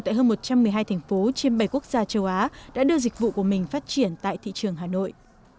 tại hơn một trăm một mươi hai thành phố trên bảy quốc gia châu á đã đưa dịch vụ của mình phát triển tại thị trường hà nội